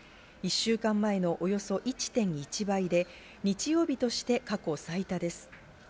１週間前のおよそ１．１倍で、日曜日として過去最多です。